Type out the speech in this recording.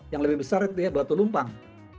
yang lebih besar itu ya batu numpang